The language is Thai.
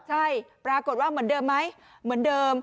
ใช่ปรากฏว่าเหมือนเดิมไหม